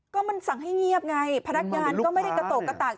ก็มันสั่งให้เงียบไงพนักงานก็ไม่ได้กระโตกกระตาก